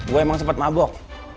gue emang sempet mabok